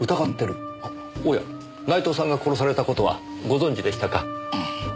おや内藤さんが殺された事はご存じでしたか？